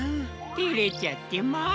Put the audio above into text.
てれちゃってまあ。